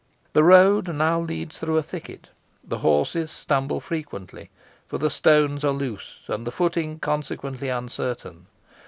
The road now leads through a thicket. The horses stumble frequently, for the stones are loose, and the footing consequently uncertain.